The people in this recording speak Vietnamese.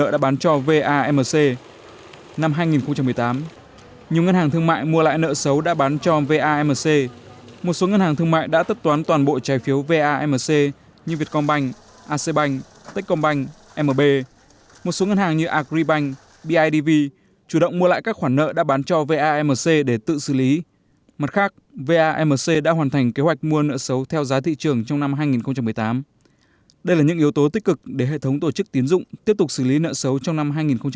đây là những yếu tố tích cực để hệ thống tổ chức tiến dụng tiếp tục xử lý nợ xấu trong năm hai nghìn một mươi chín